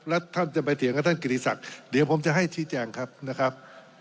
แล้วท่านจะไปเถียงกับท่านกิติศักดิ์เดี๋ยวผมจะให้ชี้แจงครับนะครับ